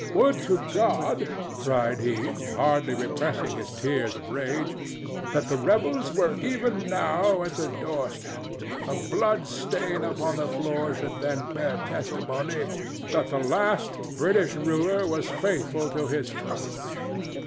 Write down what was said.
"Would to God," cried he, hardly repressing his tears of rage, "that the rebels were even now at the doorstep! A blood stain upon the floor should then bear testimony that the last British ruler was faithful to his trust."